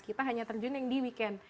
kita hanya terjun yang di weekend